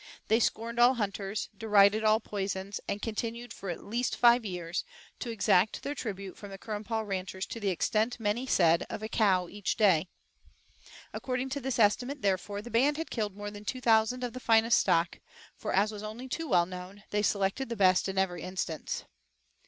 They scorned all hunters, derided all poisons, and continued, for at least five years, to exact their tribute from the Currumpaw ranchers to the extent, many said, of a cow each day. According to this estimate, therefore, the band had killed more than two thousand of the finest stock, for, as was only too well known, they selected the best in every instance.